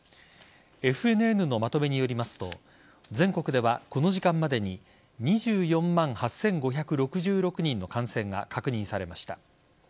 ＦＮＮのまとめによりますと全国では、この時間までに２４万８５６６人の感染が確認されました。